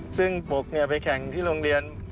ซึ่งปกไปแข่งที่โรงเรียน